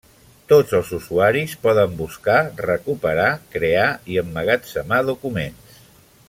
Tots els usuaris poden buscar, recuperar, crear i emmagatzemar documents.